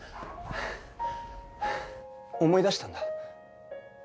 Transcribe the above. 思い出したんだ。